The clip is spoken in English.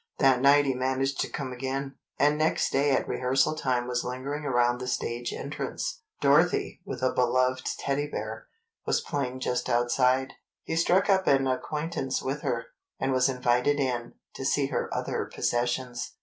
That night he managed to come again, and next day at rehearsal time was lingering around the stage entrance. Dorothy, with a beloved Teddybear, was playing just outside. He struck up an acquaintance with her, and was invited in, to see her other possessions.